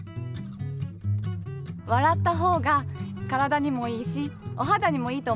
笑った方が体にもいいしおはだにもいいと思うからです。